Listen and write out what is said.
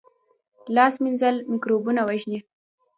لاس مینځل مکروبونه وژني